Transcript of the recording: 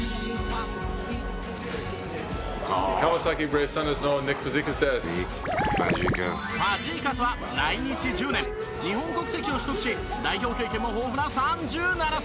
ファジーカスは来日１０年日本国籍を取得し代表経験も豊富な３７歳。